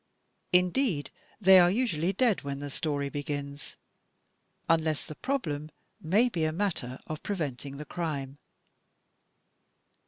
Indeed, they are usually dead when the story begins, unless the problem may be a matter of preventing the crime.